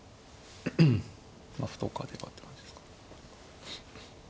まあ歩とかではって感じですか。